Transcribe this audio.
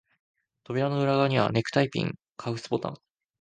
扉の裏側には、ネクタイピン、カフスボタン、